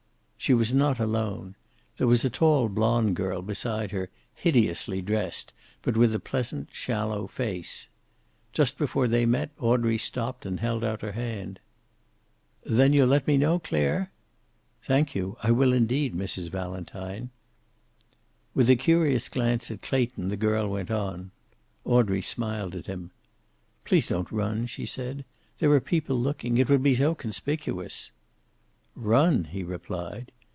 She was not alone. There was a tall blonde girl beside her, hideously dressed, but with a pleasant, shallow face. Just before they met Audrey stopped and held out her hand. "Then you'll let me know, Clare?" "Thank you. I will, indeed, Mrs. Valentine." With a curious glance at Clayton the girl went on. Audrey smiled at him. "Please don't run!" she said. "There are people looking. It would be so conspicuous." "Run!" he replied.